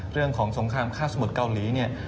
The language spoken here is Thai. เรื่องของสงครามฆ่าสมุทรเกาหลีเนี่ย